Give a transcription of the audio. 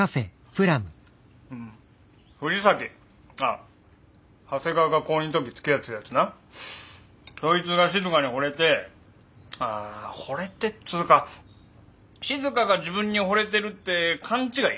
藤崎あっ長谷川が高２ん時つきあってたやつなそいつが静にほれてああほれてっつうか静が自分にほれてるって勘違い？